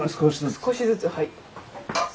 少しずつはい。